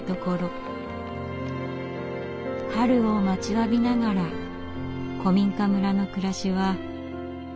春を待ちわびながら古民家村の暮らしは続いていきます。